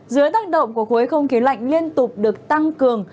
dưới tác động của khối không khí lạnh liên tục được tăng cường